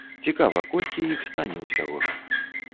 Цікава, колькі іх стане ўсяго?